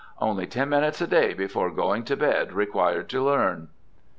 Only ten minutes a day before going to bed required to learn."